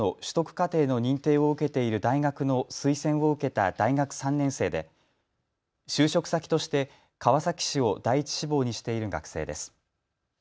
課程の認定を受けている大学の推薦を受けた大学３年生で就職先として川崎市を第１志望にしている学生です。